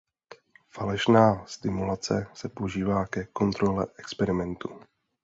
Falešná stimulace se používá ke kontrole experimentu.